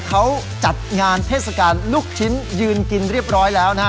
เขาจัดงานเทศกาลลูกชิ้นยืนกินเรียบร้อยแล้วนะฮะ